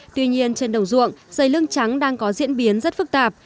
tuy nhiên trên đồng ruộng dày lưng trắng đang có diễn biến rất phức tạp